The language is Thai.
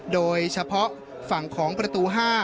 โดยเฉพาะฝั่งของประตู๕